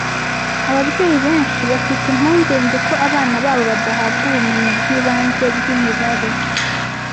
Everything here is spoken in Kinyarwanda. Ababyeyi benshi bafite impungenge ko abana babo badahabwa ubumenyi bwibanze bwimibare.